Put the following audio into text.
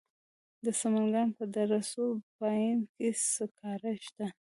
د سمنګان په دره صوف پاین کې سکاره شته.